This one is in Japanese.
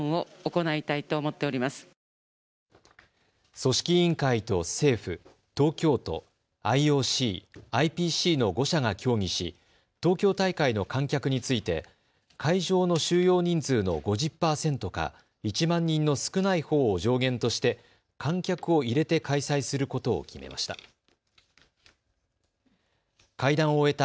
組織委員会と政府、東京都、ＩＯＣ、ＩＰＣの５者が協議し東京大会の観客について会場の収容人数の５０％か１万人の少ないほうを上限として観客を入れて開催することを決めました。